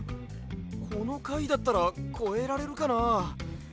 このかいだったらこえられるかな？